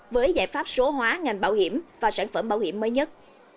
với giải pháp số hóa ngành bảo hiểm và sản phẩm bảo hiểm mới nhất